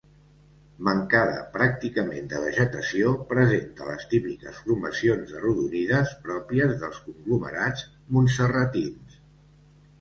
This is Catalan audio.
Mancada pràcticament de vegetació, presenta les típiques formacions arrodonides pròpies dels conglomerats montserratins.